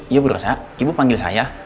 ya bu rasa ibu panggil saya